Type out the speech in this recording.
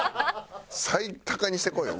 最高にしてこいよ